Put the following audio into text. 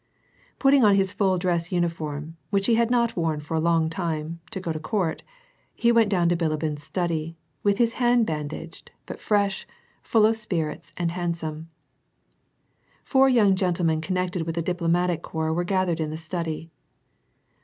Putting on his full dress uniform, which he had not worn for a long time, to go to Court, he went down to Bilibin's study, with his hand bandaged, but fresh, full of spirits, and baud some. Four young gentlemen connected with the diplomatic corps were gathered in the study.